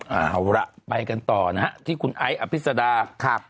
เอาล่ะไปกันต่อนะฮะที่คุณไอ้อภิษดาครับ